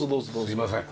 すいません。